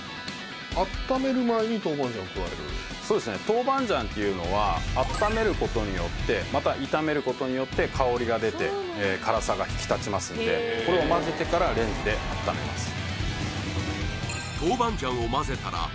豆板醤っていうのは温めることによってまた炒めることによって香りが出て辛さが引き立ちますんでこれをまぜてからレンジで温めます